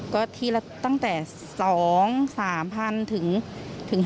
ก็ทีละตั้งแต่๒๓พันถึง๕๖หมื่น